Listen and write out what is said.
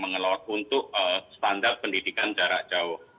dan kalau misalkan untuk memenuhi kebutuhan pendidikan jarak jauh